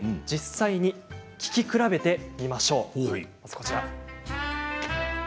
実際に聴き比べてみましょう。